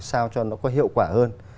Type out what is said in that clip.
sao cho nó có hiệu quả hơn